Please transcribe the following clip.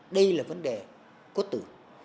đây là vấn đề quốc tử